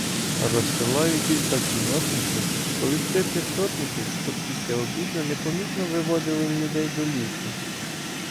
Розсилаю кілька кіннотників сповістити сотників, щоб після обіду непомітно виводили людей до лісу.